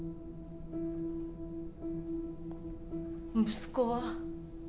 息子は